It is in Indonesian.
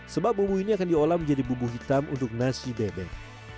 sebab bumbu ini akan diolah menjadi bumbu hitam untuk nasi bebek